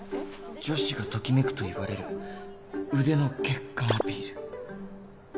女子がときめくといわれる腕の血管アピール